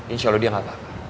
insya allah dia gak apa apa